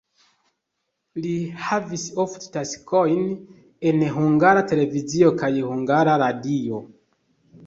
Li havis ofte taskojn en Hungara Televizio kaj Hungara Radio.